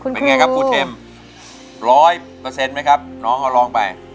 เป็นไงครับคุณเทมร้อยเปอร์เซ็นต์ไหมครับน้องเอาร้องไป